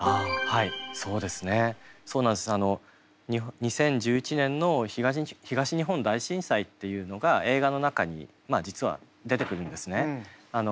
２０１１年の東日本大震災っていうのが映画の中に実は出てくるんですね。